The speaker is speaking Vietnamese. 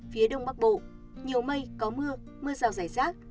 phía đông bắc bộ nhiều mây có mưa mưa rào rải rác